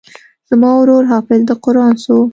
زما ورور حافظ د قران سو.